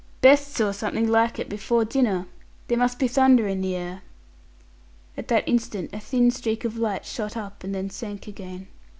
"Best saw something like it before dinner. There must be thunder in the air." At that instant a thin streak of light shot up and then sank again.